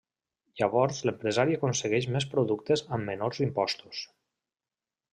Llavors l'empresari aconsegueix més productes amb menors impostos.